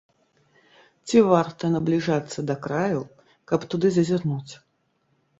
Ці варта набліжацца да краю, каб туды зазірнуць?